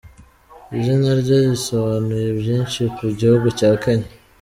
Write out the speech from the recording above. Izina rye risobanuye byinshi ku gihugu cya Kenya